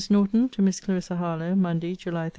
NORTON, TO MISS CLARISSA HARLOWE MONDAY, JULY 31.